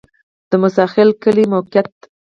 د موسی خیل کلی موقعیت